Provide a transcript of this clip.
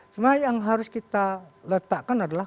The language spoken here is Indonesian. sebenarnya yang harus kita letakkan adalah